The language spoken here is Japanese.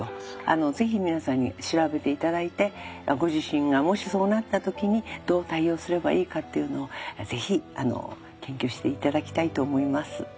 ぜひ皆さんに調べて頂いてご自身がもしそうなった時にどう対応すればいいかっていうのをぜひ研究して頂きたいと思います。